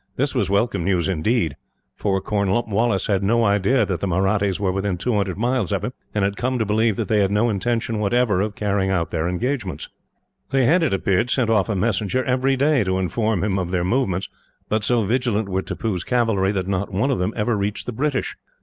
This was welcome news, indeed, for Lord Cornwallis had no idea that the Mahrattis were within two hundred miles of him, and had come to believe that they had no intention, whatever, of carrying out their engagements. They had, it appeared, sent off a messenger, every day, to inform him of their movements; but so vigilant were Tippoo's cavalry, that not one of them ever reached the British.